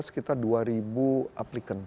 sekitar dua aplikan